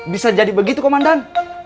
bisa jadi begitu komandan